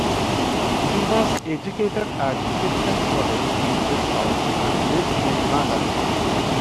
He was educated at Clifton College in Bristol and lives in London.